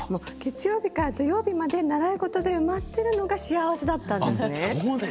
月曜日から土曜日まで習い事で埋まってるのが幸せだったんですね。